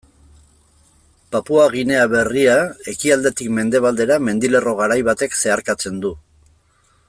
Papua Ginea Berria ekialdetik mendebaldera mendilerro garai batek zeharkatzen du.